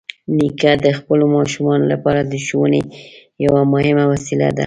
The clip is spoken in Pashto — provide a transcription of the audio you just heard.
نیکه د خپلو ماشومانو لپاره د ښوونې یوه مهمه وسیله ده.